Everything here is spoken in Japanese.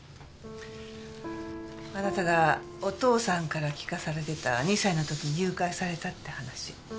あなたがお父さんから聞かされていた２歳の時に誘拐されたって話。